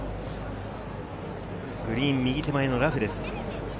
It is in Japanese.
グリーン右手前のラフです。